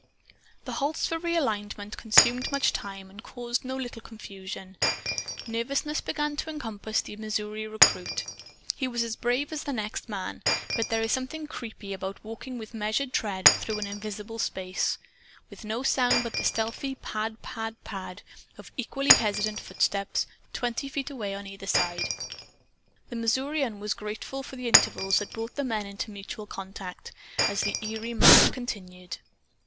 The halts for realignment consumed much time and caused no little confusion. Nervousness began to encompass the Missouri recruit. He was as brave as the next man. But there is something creepy about walking with measured tread through an invisible space, with no sound but the stealthy pad pad pad of equally hesitant footsteps twenty feet away on either side. The Missourian was grateful for the intervals that brought the men into mutual contact, as the eerie march continued.